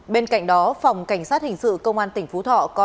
bên cạnh đó phòng cảnh sát hình sự công an tỉnh phú thọ